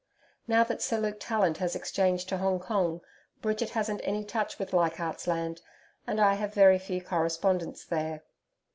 Now that Sir Luke Tallant has exchanged to Hong Kong, Bridget hasn't any touch with Leichardt's Land, and I have very few correspondents there.